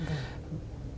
việc các nhà đầu tư